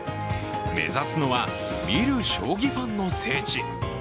目指すのは見る将棋ファンの聖地。